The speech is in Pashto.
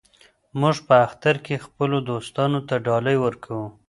موږ په اختر کې خپلو دوستانو ته ډالۍ ورکوو.